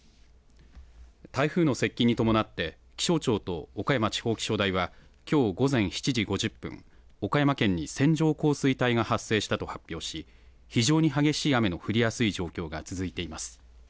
台風の接近に伴って気象庁と岡山地方気象台はきょう午前７時５０分岡山県に線状降水帯が発生したと発表し、非常に激しい雨の降りやすい状況が続いています。